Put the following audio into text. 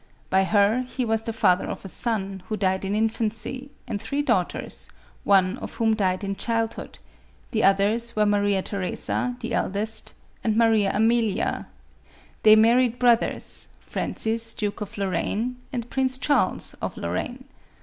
By her, he was the father of a son, who died in infancy, and three daugh ters, one of whom died in childhood ; the others were Maria Theresa, the eldest, and Maria Amelia ; they married brothers, Francis, Duke of Lorraine, and Prince Charles of Lorraine.